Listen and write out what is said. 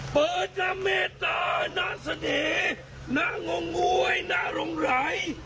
เปิดหน้าเมตตาหน้าเสด่หน้างง่วยหน้ารงไร